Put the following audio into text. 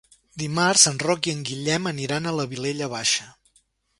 Dimarts en Roc i en Guillem aniran a la Vilella Baixa.